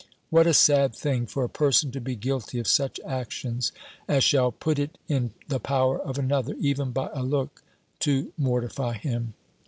What a sad thing for a person to be guilty of such actions, as shall put it in the power of another, even by a look, to mortify him!